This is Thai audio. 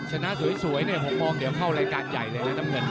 ชนะสวยเนี่ยผมมองเดี๋ยวเข้ารายการใหญ่เลยนะน้ำเงิน